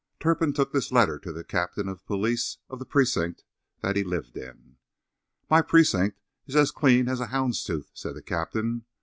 Turpin took this letter to the captain of police of the precinct that he lived in. "My precinct is as clean as a hound's tooth," said the captain.